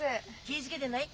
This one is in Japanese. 気ぃ付けてない。